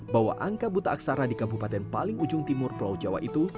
bahwa angka buta aksara di kabupaten paling ujung timur pulau jawa itu